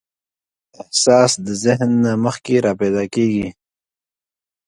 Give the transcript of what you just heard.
احساس د ذهن نه مخکې راپیدا کېږي.